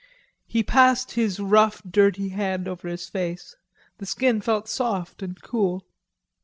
He passed his rough dirty, hand over his face. The skin felt soft and cool.